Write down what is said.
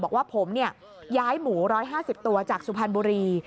บอกว่าผมย้ายหมู๑๕๐ตัวจากสุพรรณบุรี